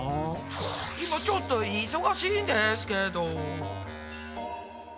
今ちょっと忙しいんですけど。